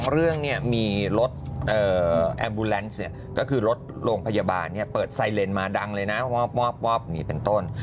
โรงพยาบาลเปิดไซเลนด์มาดังเลยนะมีเป็นต้น